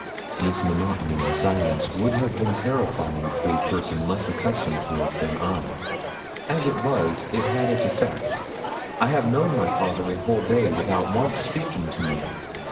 This monotony and silence would have been terrifying to a person less accustomed to it than I. As it was, it had its effect. I have known my father a whole day without once speaking to me.